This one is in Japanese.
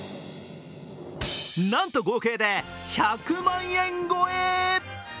なんと合計で１００万円超え。